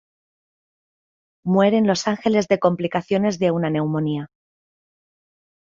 Muere en Los Angeles de complicaciones de una neumonía.